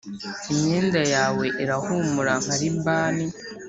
Imyenda yawe irahumura nka Libani.